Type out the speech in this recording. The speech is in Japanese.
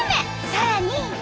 さらに。